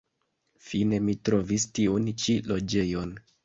Fine mi trovis tiun ĉi loĝejon.